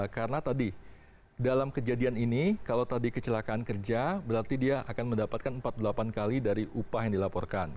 karena tadi dalam kejadian ini kalau tadi kecelakaan kerja berarti dia akan mendapatkan empat puluh delapan kali dari upah yang dilaporkan